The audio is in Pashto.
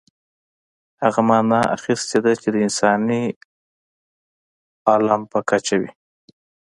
هغه معنا اخیستې ده چې د انساني عالم په کچه وي.